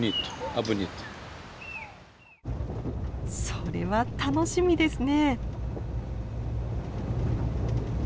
それは楽しみですね。